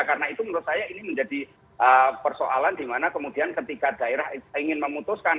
karena itu menurut saya ini menjadi persoalan di mana kemudian ketika daerah ingin memutuskan